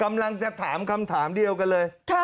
กำลังจะถามคำถามเดียวกันเลย